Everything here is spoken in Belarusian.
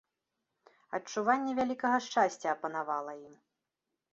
Адчуванне вялікага шчасця апанавала ім.